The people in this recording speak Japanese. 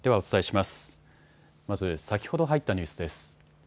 まず先ほど入ったニュースです。